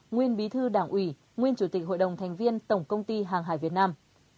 nguyên bí thư đảng ủy nguyên chủ tịch hội đồng thành viên tổng công ty hàng hải việt nam